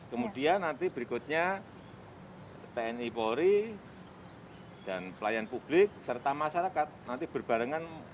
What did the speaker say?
kemudian nanti berikutnya tni polri dan pelayan publik serta masyarakat nanti berbarengan